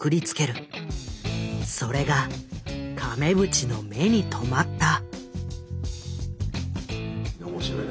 それが亀渕の目に留まった。